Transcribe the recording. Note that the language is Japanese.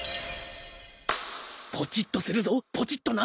ポチッとするぞポチッとな。